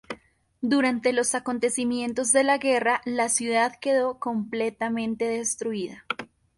Durante los acontecimientos de la guerra la ciudad quedó completamente destruida.